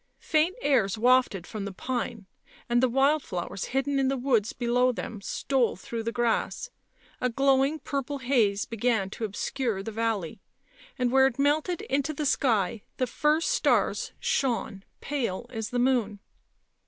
Faint airs wafted from the pine, and the wild flowers hidden in the woods below them stole through the grass ; a glowing purple haze began to obscure the valley, and where it melted into the sky the first stars shone, pale as the moon.